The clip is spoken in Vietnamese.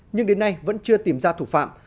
nhưng đến nay vẫn chưa tìm ra thủ phạm